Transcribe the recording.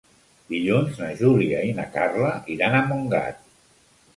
Dilluns na Júlia i na Carla iran a Montgat.